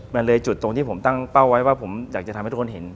มันเลยจุดตรงที่ผมตั้งเป้าไว้ว่าผมอยากจะทำให้ทุกคนเห็น